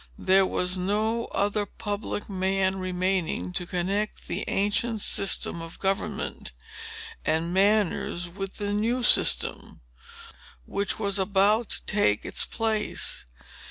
There was no other public man remaining to connect the ancient system of government and manners with the new system, which was about to take its place.